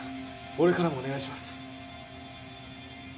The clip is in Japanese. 俺からもお願いします。